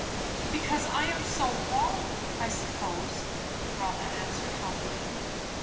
"Because I am so wrong, I suppose," Rotha answered humbly.